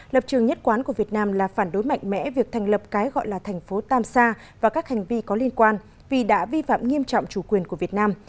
lập trường nhất quán của việt nam là phản đối mạnh mẽ việc thành lập cái gọi là thành phố tam sa và các hành vi có liên quan vì đã vi phạm nghiêm trọng chủ quyền của việt nam